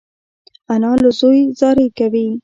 انا له زوی زاری کوي